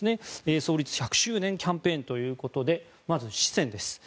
創立１００周年キャンペーンということでまず四川です。